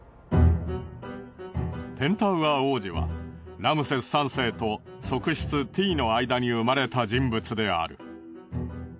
ペンタウアー王子はラムセス３世と側室ティイの間に生まれた人物である。